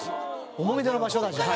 思い出の場所だじゃあ。